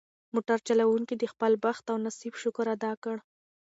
موټر چلونکي د خپل بخت او نصیب شکر ادا کړ.